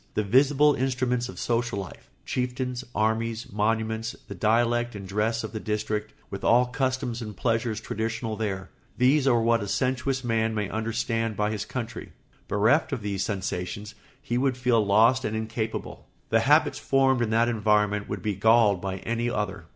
The visible instruments of social life—chieftains, armies, monuments, the dialect and dress of the district, with all customs and pleasures traditional there—these are what a sensuous man may understand by his country. Bereft of these sensations he would feel lost and incapable; the habits formed in that environment would be galled by any other.